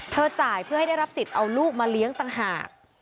จ่ายเพื่อให้ได้รับสิทธิ์เอาลูกมาเลี้ยงต่างหาก